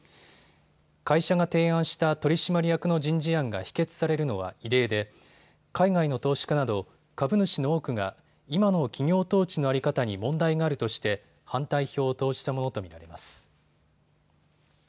会社が提案した取締役の人事案が否決されるのは異例で海外の投資家など株主の多くが今の企業統治の在り方に問題があるとして反対票を投じたものと見られます。